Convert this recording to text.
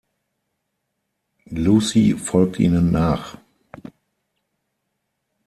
Lucy folgt ihnen nach.